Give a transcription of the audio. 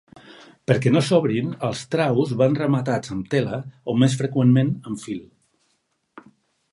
Perquè no s'obrin, els traus van rematats amb tela o més freqüentment amb fil.